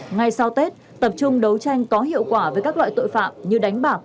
ngay sau tết tập trung đấu tranh có hiệu quả với các loại tội phạm như đánh bạc